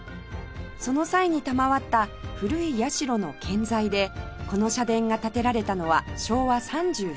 その際に賜った古い社の建材でこの社殿が建てられたのは昭和３７年の事